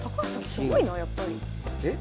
すごいなあやっぱり。え？